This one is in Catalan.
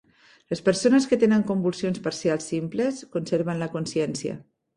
Les persones que tenen convulsions parcials simples conserven la consciència.